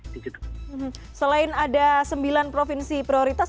selain ada sembilan provinsi prioritas